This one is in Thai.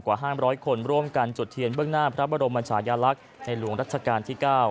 กว่า๕๐๐คนร่วมกันจดเทียนเบื้องหน้าพระบรมชายลักษณ์ในหลวงรัชกาลที่๙